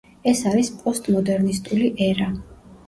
ეს არის პოსტმოდერნისტული ერა.